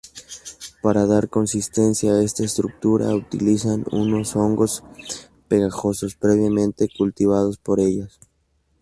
Para dar consistencia a esta estructura utilizan unos hongos pegajosos previamente cultivados por ellas.